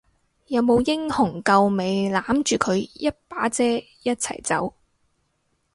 有冇英雄救美攬住佢一把遮一齊走？